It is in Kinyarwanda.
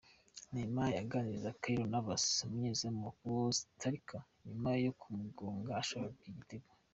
Neymar aganiriza Keylor Navas umunyezamu wa Costa Rica nyuma yo kumugonga ashaka igitego.